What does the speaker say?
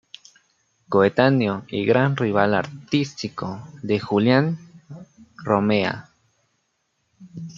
Coetáneo y gran rival artístico de Julián Romea.